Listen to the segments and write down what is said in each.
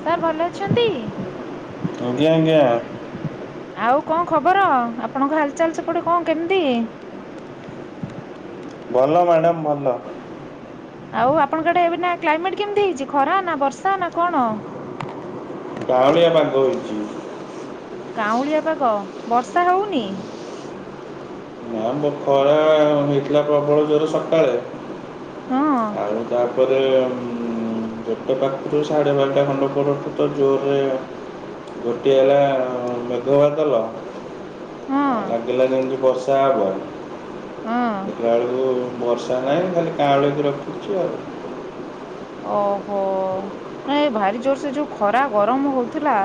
Sir ଭଲ ଅଛନ୍ତି। ଆଜ୍ଞା ଆଜ୍ଞା। ଆଉ କଣ ଖବର ଆପଣଙ୍କ ହାଲଚାଲ ସେପଟେ କଣ କେମିତି। ଭଲ ମ୍ୟାଡ଼ମ୍ ଭଲ। ଆଉ ଆପଣଙ୍କ ଆଡେ ଏବେ ନା କ୍ଲାଇମେଟ କେମିତି ହେଇଛି ଖରା ନା ବର୍ଷା ନା କଣ। କାଉଁଳିଆ ପାଗ ହେଇଚି। କାଉଁଳିଆ ପାଗ ବର୍ଷା ହଉନି। ନା ବ ଖରା ହେଇଥିଲା ପ୍ରବଳ ଜୋରେ ସକାଳେ ହଁ ଆଉ ତା ପରେ ଗୋଟେ ପାଖରୁ ସାଢ଼େ ବାରଟା ଖଣ୍ଡ ପରଠୁ ତ ଜୋରେ ଘୋଟି ଆଇଲା ମେଘବାଦଲ। ହଁ ଲାଗିଲା ଯେମିତି ବର୍ଷା ହବ ହଁ ଦେଖିଲା ବେଳକୁ ବର୍ଷା ନାହିଁ ଖାଲି କାଁଳକି ରଖିଛି ଆଉ। ଓହୋ ନାଇଁ ଭାରି ଜୋରସେ ଯୋଉ ଖରା ଗରମ ହଉଥିଲା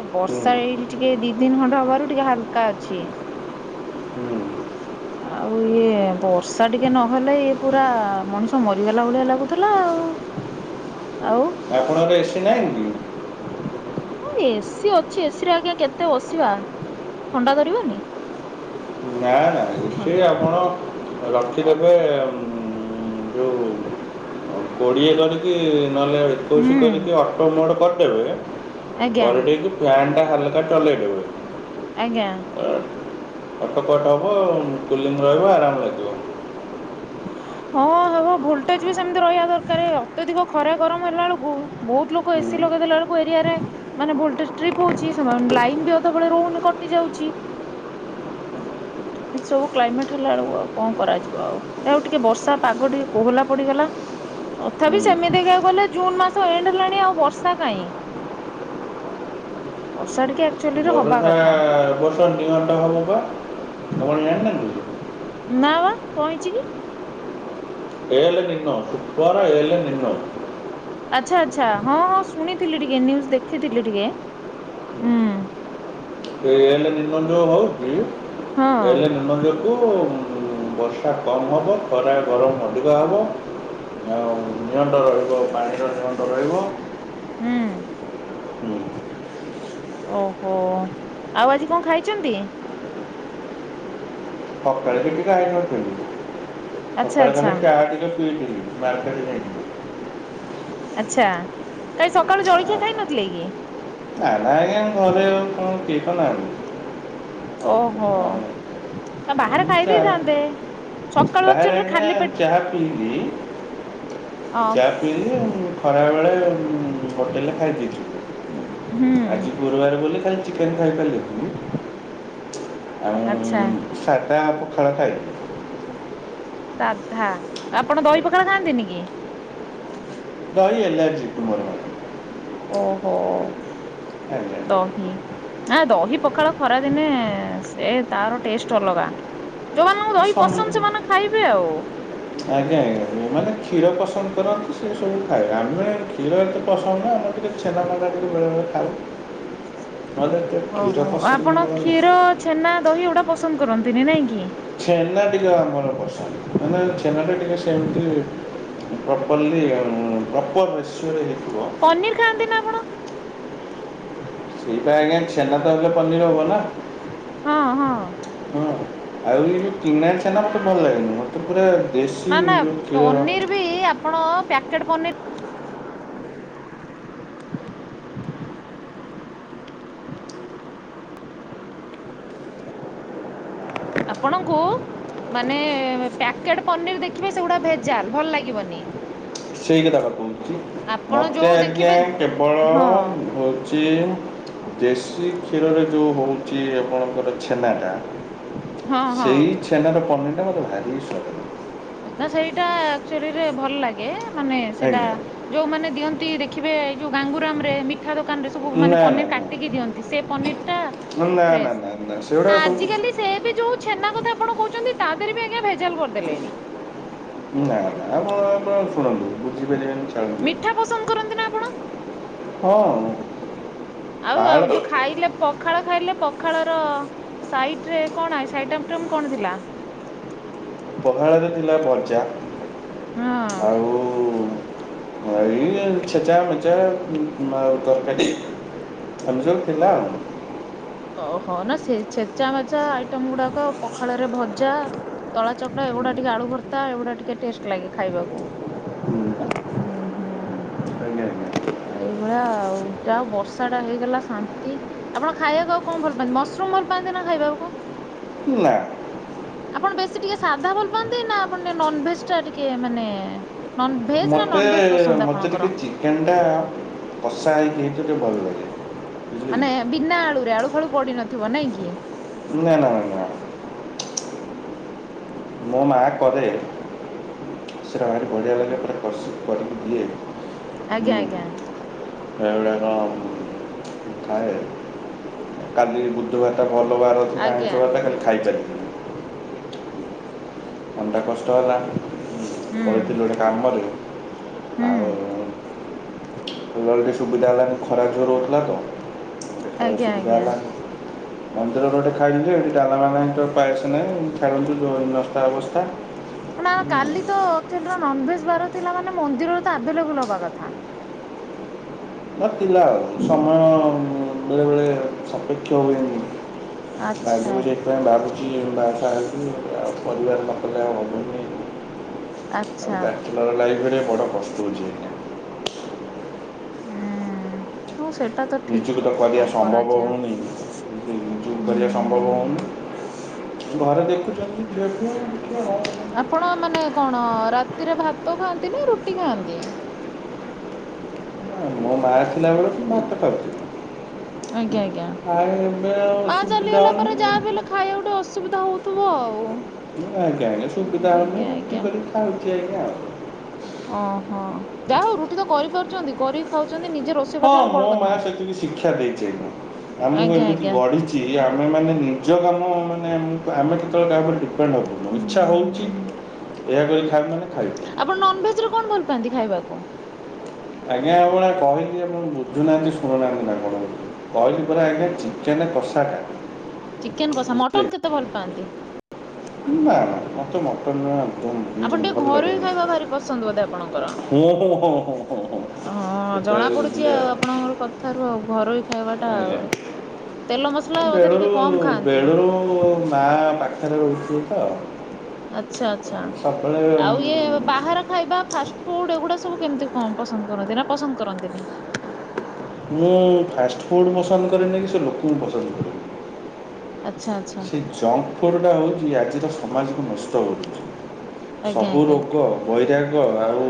ଏ ହୁଁ ବର୍ଷା ଏଇଠି ଟିକେ ଦି ଦିନ ଖଣ୍ଡ ହବାରୁ ଟିକେ ହାଲକା ଅଛି। ହୁଁ ଆଉ ଇଏ ବର୍ଷା ଟିକେ ନହଲେ ଇଏ ପୁରା ମଣିଷ ମରିଗଲା ଭଳିଆ ଲାଗୁ ଥିଲା ଆଉ ଆଉ। ଆପଣଙ୍କ ଘରେ ଏସି ନାହିଁ କି? ହଁ ଏସିି ଅଛି ଏସି ରେ ଆଜ୍ଞା କେତେ ବସିବା ଥଣ୍ଡା ଧରିବନି। ନା ନା ଏସି ରେ ଥଣ୍ଡା ଆପଣ ତା ରଖିଦେବେ ଉଁ ଯୋଉ କୋଡ଼ିଏ କରି ରିକି ନହେଲେ ହୁଁ ଏକୋଇଶି କରିକି ଅଟୋ ମୋଡ୍ କରିଦେବେ ଆଜ୍ଞା କରିଦେଇକି ଫ୍ୟାନ୍ ଟା ହାଲକା ଚଲେଇ ଦେବେ। ଆଜ୍ଞା। ଅଟକଟ ହବ କୁଲିଙ୍ଗ ରହିବ ଆରାମ ଲାଗିବ। ହଁ ହବ ଭୋଲଟେଜ ବି ସେମିତି ରହିବା ଦରକାର ଅତ୍ୟଧିକ ଖରା ଗରମ ହେଲା ବେଳକୁ ବହୁତ ଲୋକ ହୁଁ ଏସି ଲଗେଇଦେଲା ବେଳକୁ ଏରିଆରେ ମାନେ ଭୋଲଟେଜ୍ ଟ୍ରିପ୍ ହଉଛି ସେମାନେ ଲାଇନ ବି ଅଧବେଳେ ରହୁନି କଟି ଯାଉଛି। ଏ ସବୁ କ୍ଲାଇମେଟ ହେଲା ବେଳକୁ ଆଉ କଣ କରାଯିବ ଆଉ। ଯାହା ହଉ ଟିକେ ବର୍ଷା ପାଗ ଟିକେ କୋହଲା ପଡିଗଲା। ତଥାପି ସେମିତି କବାକୁ ଗଲେ ଜୁନ ମାସ ଏଣ୍ଡ ହେଲାଣି ଆଉ ବର୍ଷା କାହିଁ। ବର୍ଷା ଟିକେ ଆକ୍ଚୁଆଲି ରେ ହବା ବରଟା କଥା। ଏ ବର୍ଷ ନିଅଣ୍ଟ ହବ ବା। ଭଉଣି ଜାଣି ନାହାନ୍ତି। ନା ବା କନ୍ ହେଇଚି କି? El Nino super El Nino. ଆଚ୍ଛା ଆଚ୍ଛା ହଁ ହଁ ଶୁଣିଥିଲି ଟିକେ ନ୍ୟୁଜ ଦେଖିଥିଲି ଟିକେ ହୁଁ। ସେ ଏଲେ ନିନୋ ଯୋଉ ହଉଛି ହଁ ଏଲେ ନିନୋ ଯୋଗୁ ବର୍ଷା କମ୍ ହବ ଖରା ଗରମ ଅଧିକା ହେବ। ଆଉ ନିଅଣ୍ଟ ରହିବ ପାଣିର ନିଅଣ୍ଟ ରହିବ। ହୁଁ। ହୁଁ। ଓହୋ ଆଉ ଆଜି କଣ ଖାଇଛନ୍ତି ସକାଳେ କିଛି ଖାଇନଥିଲି ଆଚ୍ଛା ସକାଳେ ଆଚ୍ଛା ଖାଲି ଚା ଟିକେ ପିଇଥିଲି ବରଟାରେ ଯାଇକି। ଆଚ୍ଛା କାଇଁ ସକାଳୁ ଜଳଖିଆ ଖାଇନଥିଲେ କି। ଛାଡ ଆଜ୍ଞା ଘରେ କଣ କେହି ତ ନାହାନ୍ତି। ଓହୋ। ଆଉ ଆ ବାହାରେ ମୁଁ ଖାଇ ଚା ଦେଇଥାନ୍ତେ ସକାଳୁ ବାହାରେ ଆକ୍ଚୁଲରେ ଆଜ୍ଞା ଖାଲି ପେଟ ଚାହା ଅ। ଗ୍ୟାସ ମିଲୁନେଇ ଖରାବେଳେ ହୋଟେଲରେ ଖାଇ ଦେଇଚି। ହୁଁ। ଆଜି ଗୁରୁବାର ବୋଲି ଖାଲି ଚିକେନ ଖାଇପାରିଲି ନି ଆଉ। ଆଚ୍ଛା। ସାଧା ପଖାଳ ଖାଇଦିଏ। ସାଧା ଆପଣ ଦହି ପଖାଳ ଖାଆନ୍ତିନି କି? ଦହି ଆଲଜିକ୍ ମୋର। ଓହୋ ଆଜ୍ଞା ଦହି ନା ଦହି ପଖାଳ ଖରାଦିନେ ସେ ତାର ଟେଷ୍ଟ ଅଲଗା। ଯୋଉ ମାନଙ୍କୁ ଦହି ସମ ପସନ୍ଦ ସେମାନେ ଖାଇବେ ଆଉ। ଆଜ୍ଞା ଆଜ୍ଞା ଯୋଉମାନେ କ୍ଷୀର ପସନ୍ଦ କରନ୍ତି ସେ ସବୁ ଖାଇବା ଆମେ କ୍ଷୀର ଏତେ ପସନ୍ଦ ନୁଁହ ଆମର ଟିକେ ଛେନାକାକରା ଟିକେ ବେଳେବେଳେ ଖାଉ ନହେଲେ କ୍ଷୀର ଓହୋ ପସନ୍ଦ ଆପଣ ଆମର କ୍ଷୀର ନୁହଁ ଛେନା ଦହି ଏଗୁଡା ପସନ୍ଦ କରନ୍ତିନି ନାଇଁ କି? ଛେନା ଟିକେ ମୋର ପସନ୍ଦ ମାନେ ଛେନାଟା ଟିକେ ସେମିତି ପ୍ରପଲି ପ୍ରପଲି ରେସିଓ ରେ ହେଇଥିବ ପନିର ଖାଆନ୍ତି ନା ଆପଣ? ସେଇଟା ଆଜ୍ଞା ଛେନାତ ହେଲେ ପନିର ହବ ନା। ହଁ ହଁ। ହଁ ଆଉ ଏଇ ଯେଉ କିଣା ଛେନା ମୋତେ ଭଲ ଲାଗେନା ମ। ପୁରା ନା ଦେଶୀ ନା ଯୋଉଁ କ୍ଷୀରର ପନିର ବି ଆପଣ ପ୍ୟାକେଟ୍ ପନିର ଆପଣଙ୍କୁ ମାନେ ପ୍ୟାକେଟ ପନିର ଦେଖିବେ ସେଗୁଡା ଭେଜାଲ ଭଲ ଲାଗିବନି। ସେଇ କଥାପା କହୁଛି ଆପଣ ମୋତେ ଯୋଉ ଆଜ୍ଞା ଦେଖିବେ କେବଳ ହଁ ହୋଉଛି ଦେଶୀ କ୍ଷୀରରେ ଯୋଉଁ ହଉଛି ଆପଣଙ୍କର ଛେନାଟା ହଁ ହଁ ସେଇ ଛେନାର ପନିରଟା ମୋତେ ଭାରି ସ୍ୱାଦ ଲାଗେ। ନା ସେଇଟା ଆକ୍ଚୁଲିରେ ଭଲ ଲାଗେ ମାନେ ସେଇଟା ଲାଗେ ଆଜ୍ଞା ଯୋଉମାନେ ଦିଅନ୍ତି ଦେଖିବେ ଯୋଉ ଗାଙ୍ଗୁରାମରେ ମି ମିଠା ଦୋକାନରେ ସବୁ ନା ମାନେ ନା ପନିର ନା କାଟିକି ଦିଅନ୍ତି ସେ ପନିରଟା ନା ନା ଫ୍ରେଶ। ନା ନା ସେଗୁଡ଼ାକ ସବୁ ଆଜିକାଲି ସେ ବି ଯୋଉ ଛେନା କଥା ଆପଣ କହୁଛନ୍ତି ତା ଦେହରେ ବି ଆଜ୍ଞା ଭେଜାଲ କରିଦେଲେଣି। ନା ନା ଆପଣ ଆପଣ ଶୁଣନ୍ତୁ ବୁଝିପାରିବେନି ଛାଡନ୍ତୁ। ମିଠା ପସନ୍ଦ କରନ୍ତି ନା ଆପଣ? ହଁ। ଆଉ ପାହାଳ ଆଉ ଯୋଉ ଖାଇଲେ ପଖାଳ ଖାଇଲେ ପଖାଳ ର ସାଇଟ ରେ କଣ ସାଇଟ ଆଇଟମ କଣ ଥିଲା? ପଖାଳରେ ଥିଲା ଭଜା ହଁ ଆଉ ଏଇ ଛେଚା ମେଚା ଆଉ ତରକାରି ଏମିତି ସବୁ ଥିଲା ଆଉ। ଓହୋ ନା ସେ ଛେଚା ମେଚା ଆଇଟମ ଗୁଡାକ ପଖାଳରେ ଭଜା ଦଳା ଚକଡଡ଼ା ଏଗୁଡା ଟିକେ ଆଳୁ ଭର୍ତା ଏଗୁଡା ଟିକେ ଟେଷ୍ଟ ଲାଗେ ଖାଇବାକୁ। ହୁଁ ହୁଁ। ଆଞା। ଏଇଭଳିଆ ଆଉ ଜା ହୋଉ ବର୍ଷାଟା ହେଇଗଲା ଶାନ୍ତି ଆପଣ ଖାଇବାକୁ ଆଉ କଣ ଭଲ ପାଆନ୍ତି ମସରୁମ ଭଲ ପାଆନ୍ତି ନା ଖାଇବାକୁ? ନା ଆପଣ ବେଶୀ ଟିକେ ସାଧା ଭଲ ପାଆନ୍ତି ନା ଆପଣ ଟିକେ ନନଭେଜ ଟା ଟିକେ ମାନେ ନ ଭେଜ ନା ନନ୍ ଭେଜ ପସନ୍ଦ ଆପଣଙ୍କର? ଚିକେନ ଟା କଶା ହେଇକି ହେଇଛି ଟିକେ ଭଲ ଲାଗେ। ବୁଝିଲେ ମାନେ କି ବିନା ଆଳୁରେ ଆଳୁ ଫାଳୁ ପଡି ନଥିବ ନାଇଁ କି। ନା ନା ନା। ମୋ ମା କରେ। ସେରା ଭାରି ବଢିଆ ଲାଗେ ପୁରା କଷି କି କରିକି ଦିଏ। ଆଜ୍ଞା ଆଜ୍ଞା। ସେଗୁଉଡା ଖାଏ କାଲି ବୁଧୁ ବାର ଟା ଭଲ ବାର ଥିଲା ଆଜ୍ଞା ଆଁଇଶ ବାର୍ ଟା ଖାଲି ଖାଇପାରି ଲିନି। ମନ ଟା କଷ୍ଟ ହେଲା ଉଁ ହୁଁ ପଳେଇଥିଲି ଗୋଟେ କାମରେ ଆଉ। ହୁଁ କୁଲର ସୁବିଧା ହେଲାନି ଖରା ଜୋର ହଉଥିଲା ତ। ଟିକେ ଖାଇବା ଆଜ୍ଞା ସୁବିଧା ଆଜ୍ଞା। ହେଲାନି। ମନ୍ଦିର ରେ ଗୋଟେ ଖାଇଲି ଯେ ସେଠି ଡାଲମା ନାଇଁ ତ ପାଏସ ନାହିଁ ଛାଡ଼ନ୍ତୁ ଜୋଉ ହିନ ସ୍ତା ଅବସ୍ଥା। ନା କାଲି ତ ଆକଚୁଆଲି ରେ ନନ୍ଭେଜ ବାର ଥିଲା ମାନେ ମନ୍ଦିରରେ ତ ଆଭେ ଲେବୁଲ ହବା କଥା। ନ ଥିଲା ଆଉ ସମୟ ବେଳେ ବେଳେ। ସପେକ୍ଷ ହୁଏ ନି ଆଗ ଆଚ୍ଛା ସେଥିପାଇଁ ମୁଁ ଭାବୁଚି ବା ସାଆ ହେବି ପରିବାର ନକଲେ ଆଉ ହବନି। ଆଉ ଆଚ୍ଛା ବ୍ୟାଚେଲର ଲାଇଫ୍ ରେ ବଡ ପ୍ରସ୍ତଉଚି ଏଇନା। ହୁଁ। ହଁ ସେଟା ତ ଠିକ ନିଯକୁ ତ କଥା କଣ କରିବା ସମ୍ଭବ କରାଯିବ ହଉନି କିନ୍ତୁ ନିଯୁକୁ କରିବା ସମ୍ଭବ ହୁଁ। ହଉନି। ଘରେ ଦେଖଛନ୍ତି ଝିଅ ଫିଅ ଦେଖୀବା ଘରେ ଆପଣ ମାନେ କଣ ରାତିରେ ଭାତ ଖାଆନ୍ତି ନା ରୁଟି ଖାଆନ୍ତି। ନାଇଁ ମୋ ମାଆ ଥିଲାବେଳେ ମୁଁ ଭାତ ଖାଉଥିଲି। ଆଜ୍ଞା ଆଜ୍ଞା ଆଉ ଏବେ ଆଉ ମା ସୁବିଧା ଚାଲିଗଲା ପରେ ଯାହା ହେଉନି ବି ହେଲେ ଖାଇଆକୁ ଟିକେ ଅସୁବିଧା ହଉ ଥିବ ଆଉ। ଆଜ୍ଞା ଆଜ୍ଞା ହଁ ସୁବିଧା ହଉନି ଆଜ୍ଞା ରୁଟି ଆଜ୍ଞା କରି ଖାଉଛି ଆଜ୍ଞା ଆଉ। ଓ ହୋ ଯା ହଉ ରୁଟି ତ କରି ପାରୁଛନ୍ତି କରିକି ଖାଉଛନ୍ତି ନିଜେ ରୋଷେ ହଁ ମୋ ମା ସେତିକି ଶିକ୍ଷା ଦେଇଛି ଆଜ୍ଞା ଆମକୁ ଏମିତି ଗଢ଼ିଚି। ଆମେ ମାନେ ନିଜ କାମ ମାନେ ଆମେ କେତେବେଳେ କାହା ଉପରେ ଡିପେଣ୍ଡ ଣ୍ଡ ହବୁନି ହୁଁ ଇଚ୍ଛା ହୁଁ ହଉଛି ହୁଁ ଏୟା କରି କି ଖାଇବୁ ମାନେ ଖାଇବୁ। ଆପଣ ନନ୍ଭେଜ ରେ କଣ ଭଲ ପାଆନ୍ତି ଖାଇବାକୁ। ଆଜ୍ଞା ଆପଣକୁ ବା କହିଲି ଆପଣ ବୁଝୁ ନାହାନ୍ତି ଶୁଣୁ ନାହାନ୍ତି ନା କଣ। କହିଲି ପରା ଆଜ୍ଞା ଚିକେନ କଷାଟା। ଚିକେନ କଷା ବୁଝିଲେ ମଟନ କେତେ ଭଲ ପାଆନ୍ତି। ନା ନା ମତେ ମଟନ୍ ଜମା ଆପଣ ଆଦୌ ବି ଟିକେ ଭଲ ଘରୋଇ ଲାଗେନା ଖାଇବା ଭାରି ପସନ୍ଦ ବୋଧେ ଆପଣଙ୍କର? ହୁଁ ହୁଁ ହଁ ହଁ। ହଁ ଜଣା ପଡୁଛି ଆଉ ଆପଣଙ୍କ ର କଥାରୁ ଆଉ ଘରୋଇ ଖାଇବା ଟା ଆଉ। ତେଲ ମସଲା ବୋଧେ ବେଳୁ ଟିକେ କମ ରୁ ଖାଆନ୍ତି ବେଳୁ ରୁ ମା ପାଖରେ ରହୁଥିଲୁ ତ। ଆଛା ଆଚ୍ଛା ସବୁବେଳେ ଆଉ ଇଏ ବାହାର। ଖାଇବା ଫାଷ୍ଟ ଫୁଡ ଏଗୁଡା ସବୁ କେମିତି କଁ ପସନ୍ଦ କରନ୍ତି ନା ପସନ୍ଦ କରନ୍ତିନି। ମୁଁ ଫାଷ୍ଟ ଫୁଡ଼୍ ପସନ୍ଦ କରେନି କି ସେ ଲୋକଙ୍କୁ ପସନ୍ଦ କରେନି। ଆଚ୍ଛା ଆଚ୍ଛା। ଜଙ୍କ ଫୁଡ୍ଟା ହେଉଛି ଆଜିର ସମାଜକୁ ନଷ୍ଟ କରୁଛି ଆଜ୍ଞା ସବୁ ଆଜ୍ଞା ରୋଗ। ବୈରାଗ ଆଉ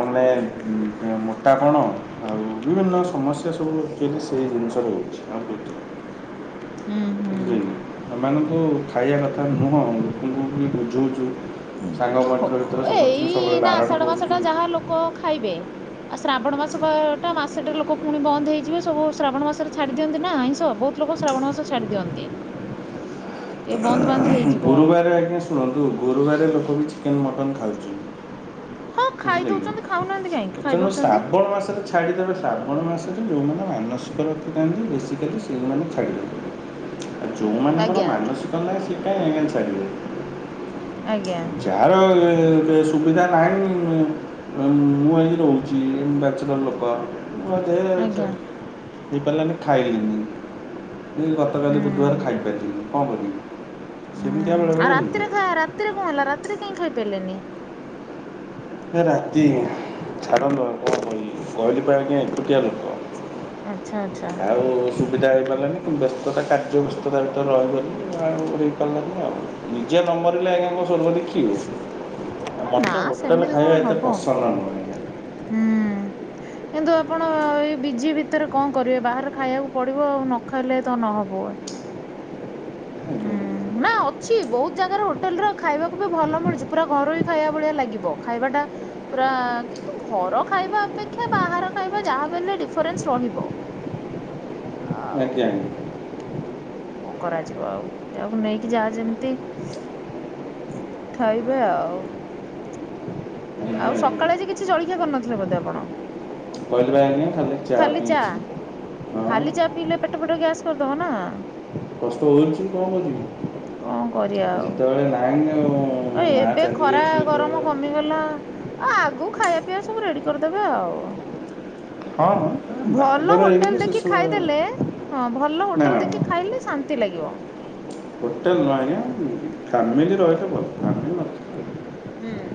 ମାନେ ମୋଟା ପଣ। ଆଉ ବିଭିନ୍ନ ସମସ୍ୟା ସବୁ ଆକଚୁଆଲି ସେଇ ଜିନିଷରୁ ହେଇଛି ଆଉ କିଛିନାଇ। ହୁଁ ହୁଁ। ବଝିହଉଛି ‌ନା ଏମାନଙ୍କୁ ଖାଇବା କଥା ନୁହଁ ଲୋକଙ୍କୁ ‌ଖାଲି ବୁଝଉଛୁ। ହୁଁ। ସାଙ୍ଗ ମାନଙ୍କ ହଁ ଭିତରେ ସମସ୍ତିଙ୍କୁ ସବୁବେଳେ ବାରଣ କରୁଛୁ। କଁ ଖାଇବେ। ଆଉ ଶ୍ରାବଣ ମାସ ବା ଟା ମାସେ ଟେ ଲୋକେ ପୁଣି ବନ୍ଦ ହେଇଯିବେ। ସବୁ ଶ୍ରାବଣ ମାସରେ ଛାଡି ଦିଅନ୍ତି ନା ଆଇଁଷ ବହୁତ। ଛି ଲୋକ ଶ୍ରାବଣ ମାସ ଛାଡି ଦିଅନ୍ତି। ଟିକେ ବନ୍ଦ ବାନ୍ଦ ହେଇଯିବ। ଗୁରୁବାର ଆଜ୍ଞା। ଶୁଣନ୍ତୁ ଗୁରୁବାର ଲୋକ ବି ଚିକେନ୍ ମଟନ୍ ଖାଉଛନ୍ତି। ହଁ ଖାଇ ବୁଝିଲେକି। ଦଉଛନ୍ତି ଖାଉନାହାନ୍ତି କାହିଁକି ଖାଇ ଆଚନ ଦଉଛନ୍ତି ଶ୍ରାବଣ ମାସରେ ଛାଡ଼ିଦେବେ ଶ୍ରାବଣ ମାସରେ ଯେଉଁମାନେ ମାନସିକ ରଖିଥାନ୍ତି ବେସିକାଲି ସେଇମାନେ ଛାଡ଼ଦିଅନ୍ତି। ଯୋଉମାନଙ୍କର ଆଜ୍ଞା ଆଜ୍ଞା ମାନସିକ ନାହିଁ। ସେ କାଇଁ ଆଜ୍ଞା ଛାଡିଵେ। ଆଜ୍ଞା। ଯାହାର ବେ ସୁବିଧା ନାହିଁ। ମୁଁ ଏଇ ରହୁଚି ବ୍ୟାଚଲର ଲୋକ। [unintelligible] ଆଜ୍ଞା ହେଇପାରିଲାନି ଖାଇଲିନି। ମୁଁ ଗତକାଲି ବୁଧବାର ହୁଁ। ଖାଇପାରିଲିନି। କଣ କରିବି ସେମିତିଆ ବେଳେ ବେଳେ ହେଇଯାଏ। ରାତୀରେ କଣ ହେଲା ରାତିରେ କାଇଁ ଖାଇପାରିଲେନି। ଏ ରାତି ଛାଡ଼ନ୍ତୁ ଆଉ କଣ କହିବି। କହିଲିପା ଆଜ୍ଞା ଏକୁଟିଆ ଲୋକ। ଆଚ୍ଛା ଆଚ୍ଛା ଆଉ ସୁବିଧା ହେଇପାରିଲାନି। କିନ୍ତୁ ବ୍ୟସ୍ତତା କାର୍ଯ୍ୟ ବ୍ୟସ୍ତତା ଭିତରେ ରହଗଲି ଆଉ ହେଇପାରିଲାନି ଆଉ। ନିଜେ ନମରିଲେ ଆଜ୍ଞା କଣ ସ୍ୱର୍ଗ ଦେଖିବେ। ନା ସେମିତି କଣ ହବ ପସନ୍ଦ ନୁହେଁ ଆଜ୍ଞା। ହୁଁ। କିନ୍ତୁ ଆପଣ ଏଇ ବିଜି ଭିତରେ କଣ କରିବେ ବାହାରେ ଖାଇବାକୁ ପଡିବ ଆଉ ନ ଖାଇଲେ ତ ନହବ। ହୁଁ। ଆଜ୍ଞା ଆଜ୍ଞା ନା ଅଛି ବହୁତ ଜାଗାରେ ହୋଟେଲେ ରେ ଖାଇବାକୁ ବି ଭଲ ମିଳୁଛି ପୁରା ଘରୋଇ ଖାଇବା ଭଳିଆ ଲାଗିବ ଖାଇବା ଟା ପୁରା କିନ୍ତୁ ଘର ଖାଇବା ଅପେକ୍ଷା ବାହାର ଖାଇବା ଯାହାବି ହେଲେ ଡିଫରେନ୍ସ ରହିବ। ଆଉ। ଆଜ୍ଞା ଆଜ୍ଞା ଆଜ୍ଞା କଣ କରାଯିବ ଆଉ ଏଆକୁ ନେଇକି ଯାହା ଯେମିତି। ଖାଇବେ ଆଉ। ଆଉ ସକାଳେ ଆଜି କିଛି ଜଳଖିଆ କରିନଥିଲେ ବୋଧେ ଆପଣ। କହିଲି ପା ଆଜ୍ଞା ଖାଲି ଚା ପିଇଛି। ହଁ ଖାଲି ଚା ପିିଇଲେ ପେ ଟ ଫେଟ ଗ୍ୟାସ୍ କରିଦବ ନା। କଷ୍ଟ ହୋଉଛି କଣ କଣ କରିଵି ଯେତେବେଳେ ନାହି ଆଉ। ଓ ମୋ ମା ଏବେ ଚାଲି ଖରା ଯାଇଛି ଗରମ କମି। ଯେତେବେଳେ ଏ ହେଲା ଆଗକୁ ଖାଇବା ପିଇବା ସବୁ ରେଡି କରିଦେବେ ଆଉ। ହଁ ହଁ ଭଲ ବାହାଘର ହେଇଗଲେ ହୋଟେଲେ ଦେଖି ଖାଇଦେଲେ ସେସବୁ ହଁ ଭଲ ନା ହୋଟେଲେ ନା ଦେଖି ନା ଖାଇଲେ ଶା ନ୍ତି ଲାଗିବ। ହୋଟେଲ ନୁହେଁ ଆଜ୍ଞା ଫ୍ୟାମିଲି ରହିଥିଲେ ଭଲ ଫାମିଲି ନ ହୁଁ।